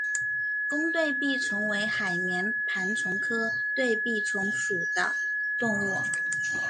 弓对臂虫为海绵盘虫科对臂虫属的动物。